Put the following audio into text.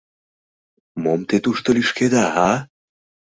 Мом те тушто лӱшкеда, а?